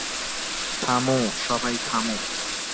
থামো, সবাই থামো!